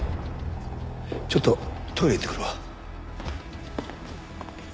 ちょっとトイレ行ってくるわ。